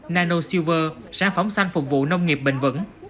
nano silver sản phẩm xanh phục vụ nông nghiệp bình vẩn